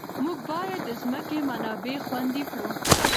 موږ باید د ځمکې منابع خوندي کړو.